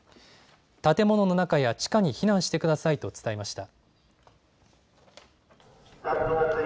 建物の中や地下に避難してくださいと伝えました。